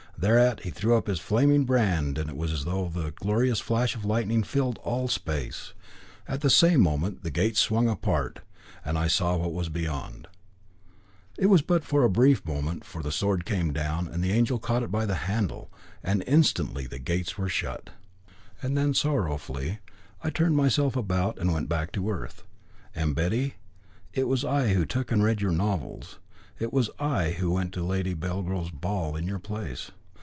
Thereat he threw up the flaming brand, and it was as though a glorious flash of lightning filled all space. At the same moment the gates swung apart, and I saw what was beyond. It was but for one brief moment, for the sword came down, and the angel caught it by the handle, and instantly the gates were shut. Then, sorrowfully, I turned myself about and went back to earth. And, Betty, it was I who took and read your novels. It was I who went to Lady Belgrove's ball in your place.